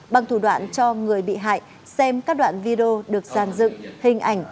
bằng thủ đoạn cho người bị hại xem các đoạn video được giàn dựng hình ảnh